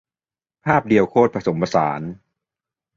ภาพเดียวโคตรผสมผสาน